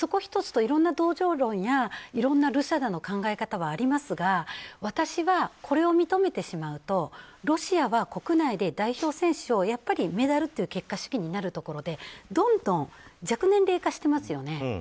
いろんな同情論やいろんなＲＵＳＡＤＡの考え方はありますが私は、これを認めてしまうとロシアは国内で代表選手をメダルという結果主義になるところでどんどん弱年齢化していますよね。